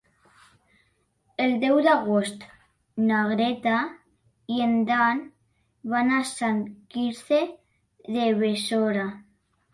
El deu d'agost na Greta i en Dan van a Sant Quirze de Besora.